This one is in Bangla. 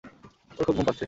ওর খুব ঘুম পাচ্ছে।